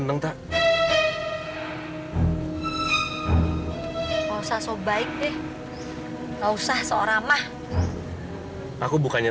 agung apa kau cinta